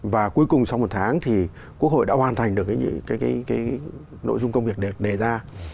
và cuối cùng sau một tháng thì quốc hội đã hoàn thành được nội dung công việc được đề ra